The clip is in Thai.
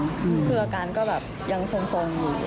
คืออาการก็แบบยังทรงอยู่